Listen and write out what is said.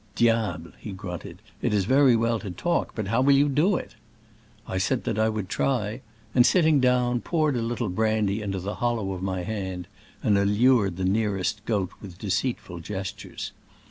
"Diable !" he grunted, '*it is veiy well to talk, but how will you do it?" I said that I would try ; and sit ting down poured a little brandy into the hollow of my hand, and allured the nearest goat with deceitful gestures.